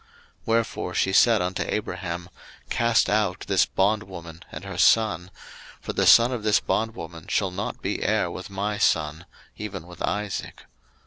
01:021:010 Wherefore she said unto Abraham, Cast out this bondwoman and her son: for the son of this bondwoman shall not be heir with my son, even with Isaac.